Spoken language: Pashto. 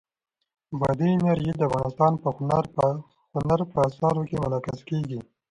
بادي انرژي د افغانستان په هنر په اثار کې منعکس کېږي.